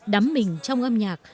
đắm mình trong âm nhạc